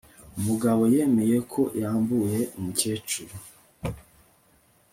Umugabo yemeye ko yambuye umukecuru